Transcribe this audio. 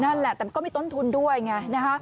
นั่นแหละแต่มันก็มีต้นทุนด้วยไงนะฮะ